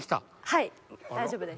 はい大丈夫です